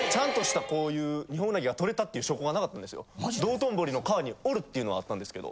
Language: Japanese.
道頓掘の川におるっていうのはあったんですけど。